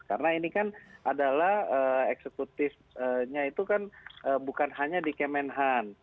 karena ini kan adalah eksekutifnya itu kan bukan hanya di kemhan